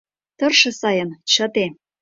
«Тырше сайын, чыте